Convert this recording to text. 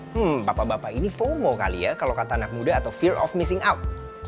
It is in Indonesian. hmm bapak bapak ini fomo kali ya kalau kata anak muda atau fear of missing out